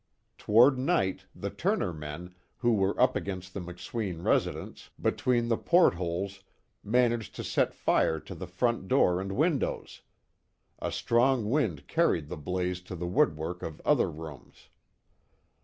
Toward night the Turner men, who were up against the McSween residence, between the port holes, managed to set fire to the front door and windows. A strong wind carried the blaze to the woodwork of other rooms.